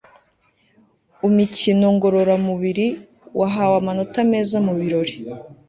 umikino ngororamubiri wahawe amanota meza mu birori